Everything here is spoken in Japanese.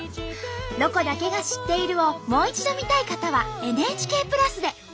「ロコだけが知っている」をもう一度見たい方はＮＨＫプラスで。